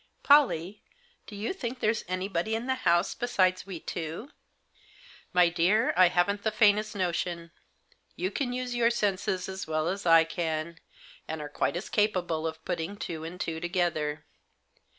" Pollie, do you think there's anybody in the house besides we two ?"" My dear, I haven't the faintest notion ; you can use your senses as well as I can, and are quite as capable of putting two and two together.